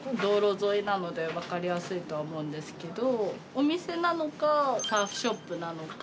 お店なのかサーフショップなのか。